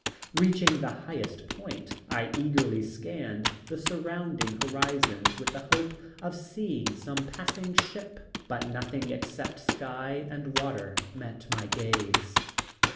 Reaching the highest point, I eagerly scanned the surrounding horizons with the hope of seeing some passing ship, but nothing except sky and water met my gaze.